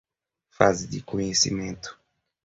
fase de conhecimento